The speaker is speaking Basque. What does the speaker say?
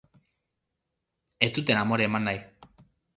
Ez zuten amore eman nahi.